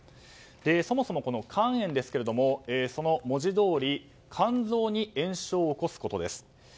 そもそも肝炎ですが文字どおり肝臓に炎症を起こすことです。